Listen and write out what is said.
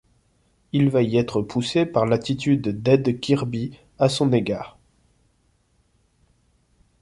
Il va y être poussé par l'attitude d'Ed Kirby à son égard...